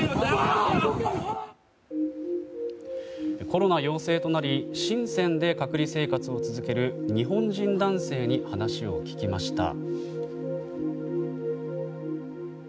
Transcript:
コロナ陽性となりシンセンで隔離生活を続ける日本人男性に、話を聞きました。